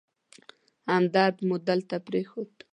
همدرد مو دلته پرېښود.